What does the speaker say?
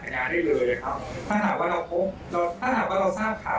ที่ว่าเราต้องการให้คนไข้สะบบหรือให้หลับเร็วมากกว่าแค่นั้น